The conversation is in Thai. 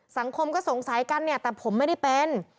สังคมก็สงสัยกันเนี่ยแต่ผมไม่ได้เป็น